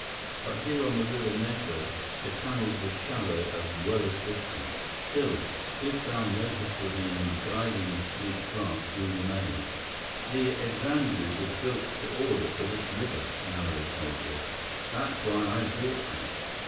But here on the Rio Negro, the channels were shallow as well as twisty. Still, Biff found no difficulty in guiding the sleek craft through the maze. "The Xanadu was built to order for this river," Nara told Biff. "That's why I bought her.